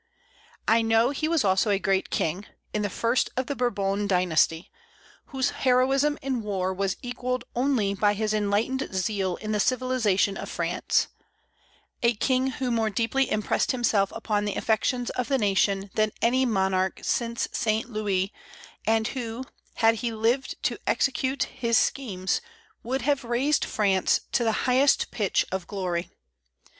I know he was also a great king, the first of the Bourbon dynasty, whose heroism in war was equalled only by his enlightened zeal in the civilization of France, a king who more deeply impressed himself upon the affections of the nation than any monarch since Saint Louis, and who, had he lived to execute his schemes, would have raised France to the highest pitch of glory.